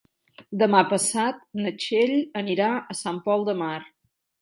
Demà passat na Txell anirà a Sant Pol de Mar.